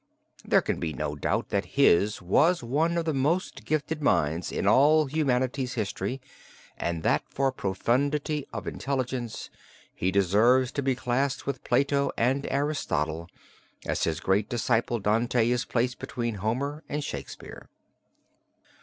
There can be no doubt that his was one of the most gifted minds in all humanity's history and that for profundity of intelligence he deserves to be classed with Plato and Aristotle, as his great disciple Dante is placed between Homer and Shakespeare.